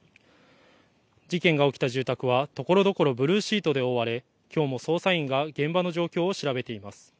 事件が起きた住宅はところどころブルーシートで覆われきょうも捜査員が現場の状況を調べています。